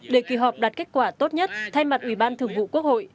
để kỳ họp đạt kết quả tốt nhất thay mặt ủy ban thường vụ quốc hội